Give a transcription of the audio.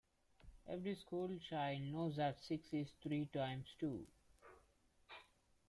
Every school child knows that six is three times two